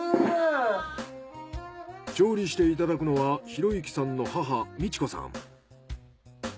調理していただくのは裕幸さんの母道子さん。